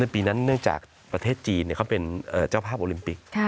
ปีนั้นเนื่องจากประเทศจีนเขาเป็นเจ้าภาพโอลิมปิก